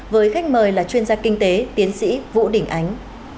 với khách mời là chuyên gia kinh tế tiến sĩ vũ đình ánh